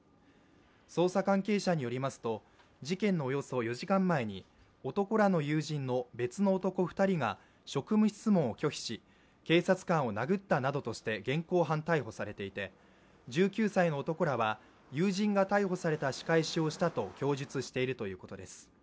捜査関係者によりますと、事件のおよそ４時間前に男らの友人の別の男２人が職務質問を拒否し、警察官を殴ったなどとして、現行犯逮捕されていて１９歳の男らは友人が逮捕された仕返しをしたと供述をしているということです。